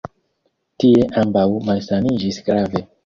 Tie ambaŭ malsaniĝis grave.